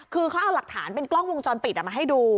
คือเขาเอาหลักฐานเป็นกล้องวงจรปิดมาให้ดู